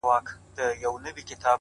شعـر كي مي راپـاتـــه ائـيـنه نـه ده!